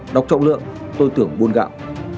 đọc trọng lượng tôi tưởng buồn gạo